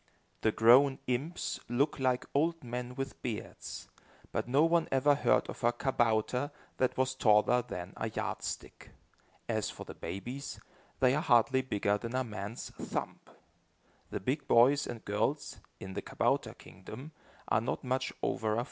The grown imps look like old men with beards, but no one ever heard of a kabouter that was taller than a yardstick. As for the babies, they are hardly bigger than a man's thumb. The big boys and girls, in the kabouter kingdom, are not much over a foot high.